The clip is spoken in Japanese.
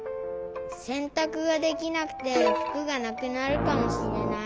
せんたくができなくてふくがなくなるかもしれない。